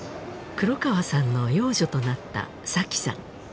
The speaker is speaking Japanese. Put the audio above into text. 黒川さんの養女となった紗妃さん